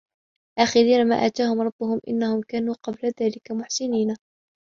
آخِذينَ ما آتاهُم رَبُّهُم إِنَّهُم كانوا قَبلَ ذلِكَ مُحسِنينَ